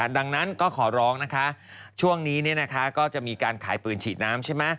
ดังนั้นก็ขอร้องช่วงนี้ก็จะมีการขายปืนฉีดน้ำ